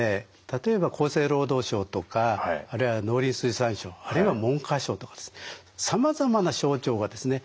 例えば厚生労働省とかあるいは農林水産省あるいは文科省とかですさまざまな省庁がですね